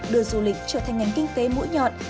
đưa du lịch trở thành ngành kinh tế mũi nhọn